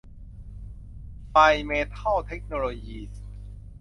ไฟน์ เม็ททัล เทคโนโลยีส์